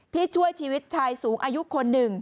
ช่วยชีวิตชายสูงอายุคนหนึ่ง